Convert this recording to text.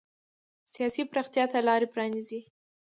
سیاسي پراختیا ته لار پرانېزي.